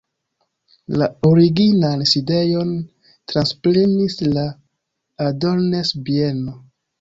La originan sidejon transprenis la Adornes-bieno.